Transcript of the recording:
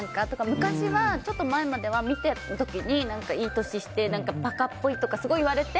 昔は、ちょっと前までは見てた時にいい年して、ばかっぽいとかすごい言われて。